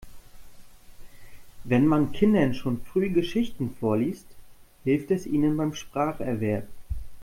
Wenn man Kindern schon früh Geschichten vorliest, hilft es ihnen beim Spracherwerb.